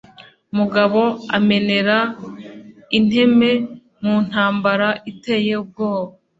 Mugabo umenera inteme Mu ntambara iteye ubwoba